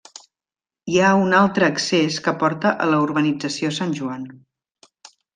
Hi ha un altre accés que porta a la urbanització Sant Joan.